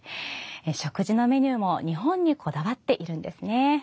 食事のメニューも日本にこだわっているんですね。